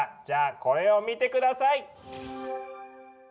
じゃあこれを見て下さい！